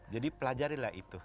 jadi pelajarinlah itu